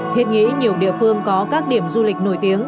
thiết nghĩ nhiều địa phương có các điểm du lịch nổi tiếng